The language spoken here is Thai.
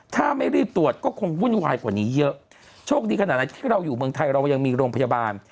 ถ้าไม่รีบตรวจก็คงวุ่นวายกว่านี้เยอะโชคดีขนาดไหนที่เราอยู่เมืองไทยเรายังมีโรงพยาบาล